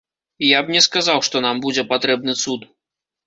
Я б не сказаў, што нам будзе патрэбны цуд.